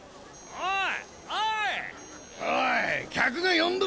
おい！